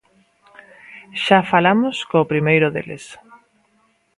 Xa falamos co primeiro deles.